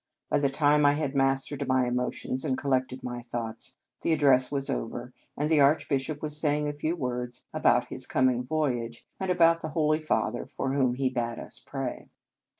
By the time I had mastered my emotions, and collected my thoughts, the ad dress was over, and the Archbishop was saying a few words about his coming voyage, and about the Holy Father, for whom he bade us pray.